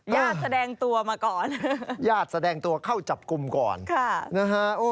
แสดงตัวมาก่อนญาติแสดงตัวเข้าจับกลุ่มก่อนนะฮะ